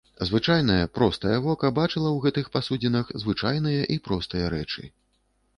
Звычайнае, простае вока бачыла б у гэтых пасудзінах звычайныя і простыя рэчы.